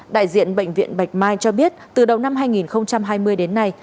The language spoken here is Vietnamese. đại diện bệnh viện bạch mai cho biết từ đầu năm hai nghìn hai mươi đến nay